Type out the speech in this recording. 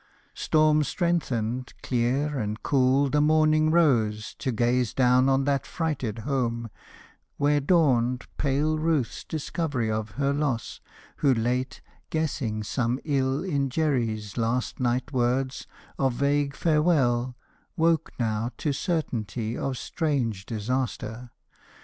Storm strengthened, clear, and cool the morning rose To gaze down on that frighted home, where dawned Pale Ruth's discovery of her loss, who late, Guessing some ill in Jerry's last night words Of vague farewell, woke now to certainty Of strange disaster.